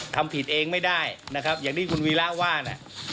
ทำผิดเองไม่ได้นะครับอย่างที่คุณวีระว่าเนี่ย